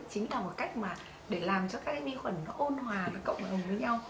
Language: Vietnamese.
chính là một cách mà để làm cho các cái vi khuẩn nó ôn hòa với cộng đồng với nhau